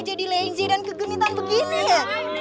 ya ampun ya ampun ya